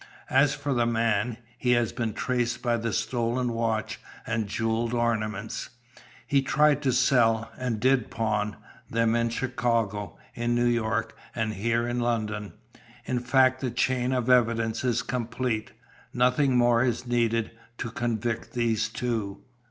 As for the man, he has been traced by the stolen watch and jewelled ornaments. He tried to sell, and did pawn, them in Chicago, in New York, and here in London. In fact the chain of evidence is complete; nothing more is needed to convict these two."